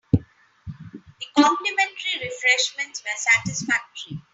The complimentary refreshments were satisfactory.